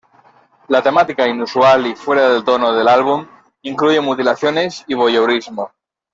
La temática inusual y fuera de tono del álbum incluye mutilaciones y voyeurismo.